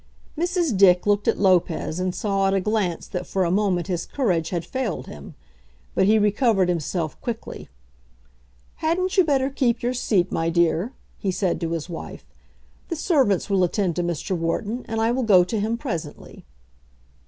Mrs. Dick looked at Lopez, and saw at a glance that for a moment his courage had failed him. But he recovered himself quickly. "Hadn't you better keep your seat, my dear?" he said to his wife. "The servants will attend to Mr. Wharton, and I will go to him presently."